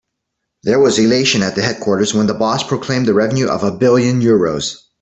There was elation at the headquarters when the boss proclaimed the revenue of a billion euros.